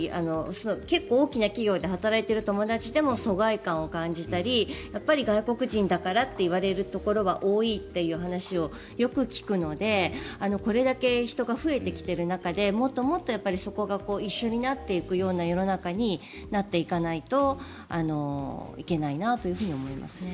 結構、大きな企業で働いている友達でも疎外感を感じたり外国人だからと言われるところは多いという話をよく聞くのでこれだけ人が増えてきている中でもっともっとそこが一緒になっていくような世の中になっていかないといけないなと思いますね。